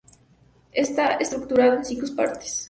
Está estructurado en cinco partes.